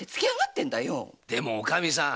でもおかみさん。